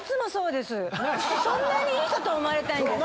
そんなにいい人と思われたいんですか？